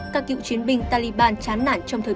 các cựu chiến binh taliban chán nản cho taliban